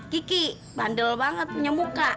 kiki bandel banget punya muka